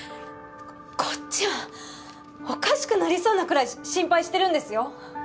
こっちはおかしくなりそうなくらい心配してるんですよ